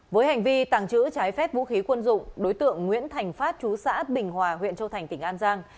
với hành vi tàng trữ trái phép vũ khí quân dụng đối tượng nguyễn thành phát chú xã bình hòa huyện châu thành tỉnh an giang